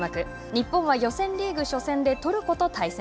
日本は予選リーグ初戦でトルコと対戦。